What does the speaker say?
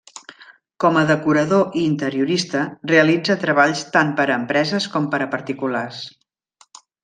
Com a decorador i interiorista realitza treballs tant per a empreses com per a particulars.